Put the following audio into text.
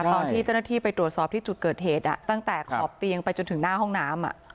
ตอนที่เจ้าหน้าที่ไปตรวจสอบที่จุดเกิดเหตุตั้งแต่ขอบเตียงไปจนถึงหน้าห้องน้ำ